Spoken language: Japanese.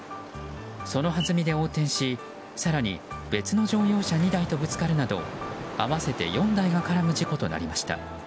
そのはずみで横転し更に別の乗用車２台とぶつかるなど合わせて４台が絡む事故となりました。